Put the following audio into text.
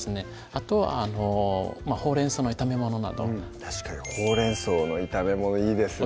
あとはほうれん草の炒めものなど確かにほうれん草の炒めものいいですね